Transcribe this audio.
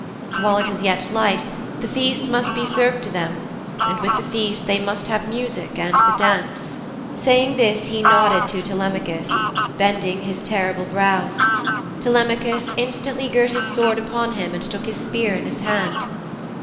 While it is yet light, the feast must be served to them, and with the feast they must have music and the dance.' Saying this he nodded to Telemachus, bending his terrible brows. Telemachus instantly girt his sword upon him and took his spear in his hand.